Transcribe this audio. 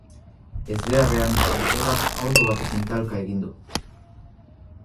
Ezbeharrean, motorrak auto batekin talka egin du.